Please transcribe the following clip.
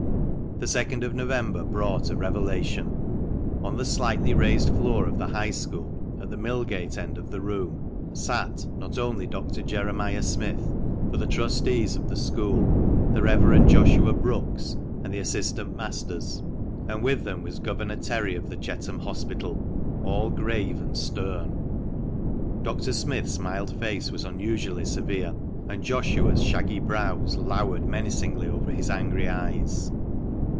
The second of November brought a revelation. On the slightly raised floor of the high school, at the Millgate end of the room, sat, not only Dr. Jeremiah Smith, but the trustees of the school, the Reverend Joshua Brookes, and the assistant masters ; and with them was Governor Terry, of the Chetham Hospital — all grave and stern. Dr. Smith's mild face was unusually severe, and Joshua's shaggy brows loured menacingly over his angry eyes.